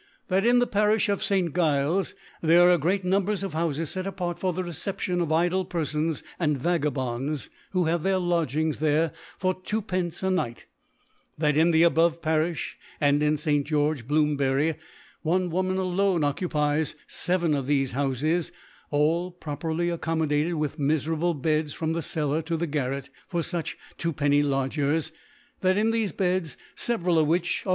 « That in the Parifh of St. Giles thefe S are great Numbers of Houfes fei apart for ^ the Reception of idle Perfons and Vaga * bonds, who have their Lodgings there * for Twopence a Night : That in the a * bove Parifh, and in St. George^ Blooms* * bury^ one Woman alone occupies feven ^ of thefe Houfes, all properly accomnao * dated with miferable Beds from the Cellar " to (Ml )* to the. Garret, for fuch Twopenny. Ladg« f ers : That in tbcfe Beds, fcvcral of whicb * are.